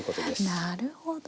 なるほど！